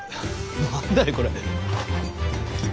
何だいこれ。